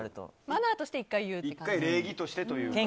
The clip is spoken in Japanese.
マナーとして１回言うって感じ。